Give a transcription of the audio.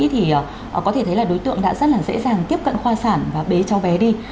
thì có thể thấy là đối tượng đã rất là dễ dàng tiếp cận khoa sản và bế cháu bé đi